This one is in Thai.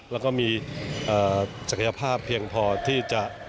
แล้วก็มีศักยภาพเพียงพอที่จะ